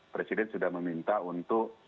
presiden sudah meminta untuk